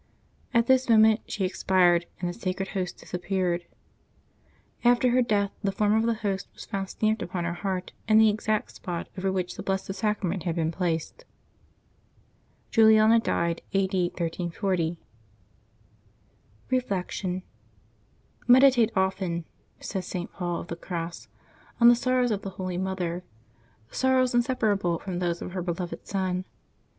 At this moment she expired, and the Sacred Host disappeared. After her death the form of the Host was found stamped upon her heart in the exact spot over which the Blessed Sacrament had been placed. Juliana died A. D. 1340. June 2C] LIVES OF THE SAINTS 233 Reflection.— " Meditate often," says St. Paul of the Cross, '^on the sorrows of the hol}^ Mother, sorrows in separable from those of her beloved Son.